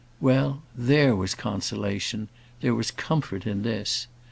Well; there was consolation, there was comfort in this.